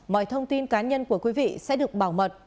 mọi thông tin cá nhân của quý vị sẽ được bảo mật